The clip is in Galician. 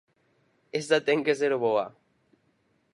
_Esa ten que ser boa.